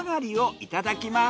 いただきます。